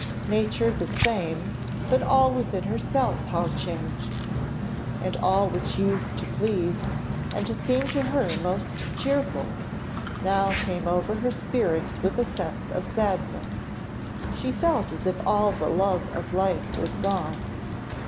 Nature the same, but all within herself how changed! And all which used to please, and to seem to her most cheerful, now came over her spirits with a sense of sadness; she felt as if all the life of life was gone.